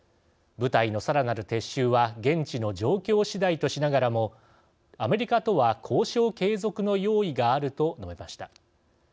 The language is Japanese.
部隊のさらなる撤収は現地の状況次第としながらもアメリカとは交渉継続の用意があると述べました。